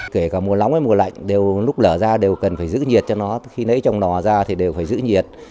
kể cả mùa lóng hay mùa lạnh lúc lở ra đều cần phải giữ nhiệt cho nó khi lấy trong lò ra thì đều phải giữ nhiệt